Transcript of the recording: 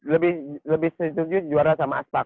lebih lebih tujuh juara sama aspak